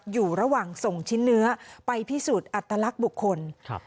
อยู่ระหว่างส่งชิ้นเนื้อไปพิสูจน์อัตลักษณ์บุคคลครับ